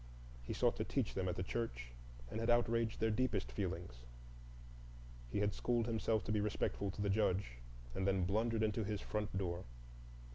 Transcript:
He sought to teach them at the church, and had outraged their deepest feelings. He had schooled himself to be respectful to the Judge, and then blundered into his front door.